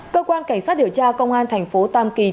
cơ quan cảnh sát điều tra công an thành phố tam kỳ tỉnh quảng ngã